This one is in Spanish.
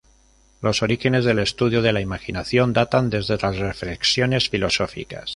Los orígenes del estudio de la imaginación datan desde las reflexiones filosóficas.